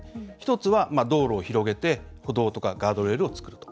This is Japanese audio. １つは道路を広げて歩道とかガードレールを作ると。